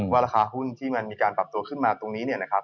ราคาหุ้นที่มันมีการปรับตัวขึ้นมาตรงนี้เนี่ยนะครับ